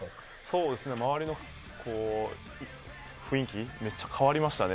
そうですね、周りの雰囲気、めっちゃ変わりましたね。